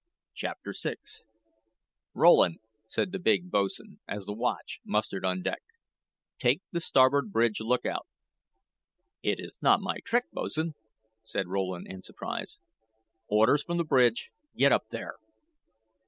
CHAPTER VI "Rowland," said the big boatswain, as the watch mustered on deck; "take the starboard bridge lookout." "It is not my trick, boats'n," said Rowland, in surprise. "Orders from the bridge. Get up there."